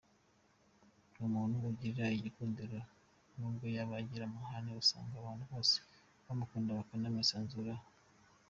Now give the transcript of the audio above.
Ni umuntu ugira igikundiro nubwo yaba agira amahane usanga abantu bose bamukunda bakanamwisanzuraho.